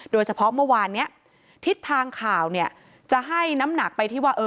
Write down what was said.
โดยเฉพาะเมื่อวานนี้ทิศทางข่าวเนี่ยจะให้น้ำหนักไปที่ว่า